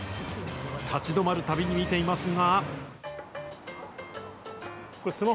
立ち止まるたびに見ていますが。